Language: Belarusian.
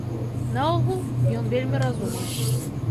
Наогул, ён вельмі разумны.